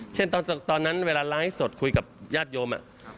เช่นตอนนั้นเวลาไลค์ให้สดคุยกับญาติโยม